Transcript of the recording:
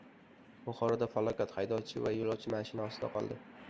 Buxoroda falokat: haydovchi va yo‘lovchi mashina ostida qoldi